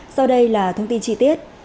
sau đây là thông tin chi tiết